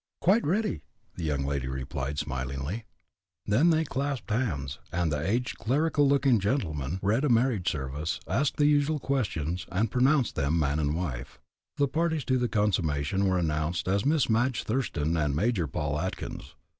"Quite ready," the young lady replied, smilingly. Then they clasped hands, and the aged clerical looking gentleman read a marriage service, asked the usual questions, and pronounced them man and wife. The parties to the consummation were announced as Miss Madge Thurston and Major Paul Atkins.